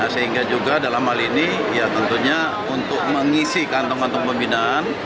sehingga juga dalam hal ini ya tentunya untuk mengisi kantong kantong pembinaan